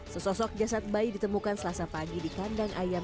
sesosok jasad bayi ditemukan selasa pagi di kandang ayam